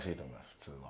普通は。